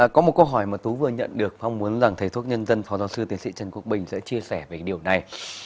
có một câu hỏi mà tú vừa nhận được mong muốn rằng thầy thuốc nhân dân phó giáo sư tiến sĩ trần quốc bình sẽ chia sẻ về điều này